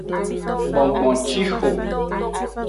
Gbongboncixo.